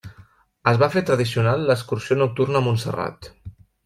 Es va fer tradicional l'excursió nocturna a Montserrat.